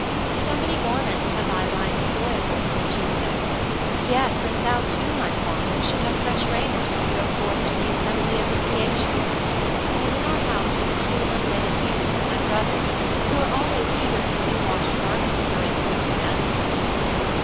'So many garments have I lying soiled,' she said. 'Yes and thou too, my father, should have fresh raiment when you go forth to the assembly of the Phæacians. And in our house are the two unwedded youths, my brothers, who are always eager for new washed garments wherein to go to dances.'